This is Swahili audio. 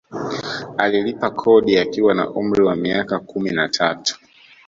Alilipa kodi akiwa na umri wa miaka kumi na tatu